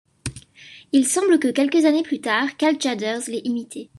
Il semble que quelques années plus tard, Cal Tjaders l'ai imité.